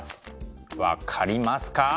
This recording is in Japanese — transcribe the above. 分かりますか？